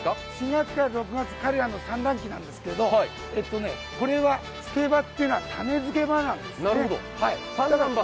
４月から６がつ、産卵期なんですけどこれはつけばというのは種付け場なんですね。